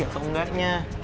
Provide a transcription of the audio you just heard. basi atau enggaknya